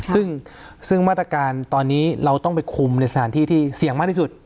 ซึ่งมาตรการตอนนี้เราต้องไปคุมในสถานที่ที่เสี่ยงมากที่สุด